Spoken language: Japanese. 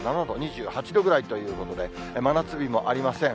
２７度、２８度ぐらいということで、真夏日もありません。